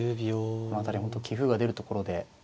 この辺り本当棋風が出るところで。